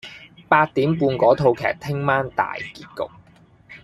八點半嗰套劇聽晚大結局